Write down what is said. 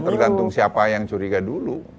tergantung siapa yang curiga dulu